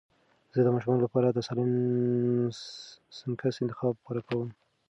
زه د ماشومانو لپاره د سالم سنکس انتخاب غوره کوم.